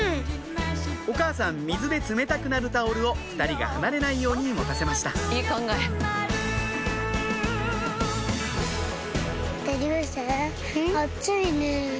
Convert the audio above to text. お母さん水で冷たくなるタオルを２人が離れないように持たせましたりゅうせい。